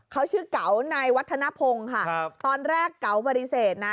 เขาชื่อเก๋านายวัฒนภงค่ะตอนแรกเก๋าปฏิเสธนะ